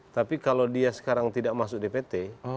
tapi kalau dia sekarang tidak masuk dpt